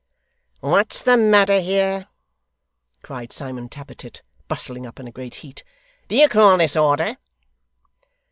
'What's the matter here?' cried Simon Tappertit, bustling up in a great heat. 'Do you call this order?